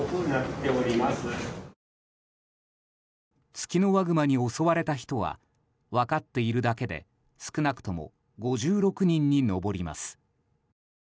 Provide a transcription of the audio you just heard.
ツキノワグマに襲われた人は分かっているだけで少なくとも５６人に上ります。